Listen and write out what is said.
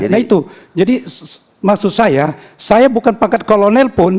nah itu jadi maksud saya saya bukan pangkat kolonel pun